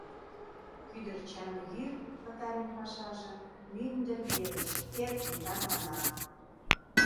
Кӱдырчан йӱр, пытарен пашажым, Мӱндыр верыш эркын тарвана.